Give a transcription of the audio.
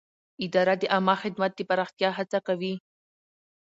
اداره د عامه خدمت د پراختیا هڅه کوي.